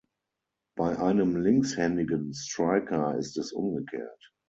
Bei einem linkshändigen Striker ist es umgekehrt.